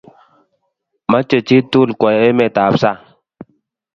Mache chi tukul kwo emet ap sang'.